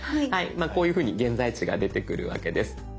こういうふうに現在地が出てくるわけです。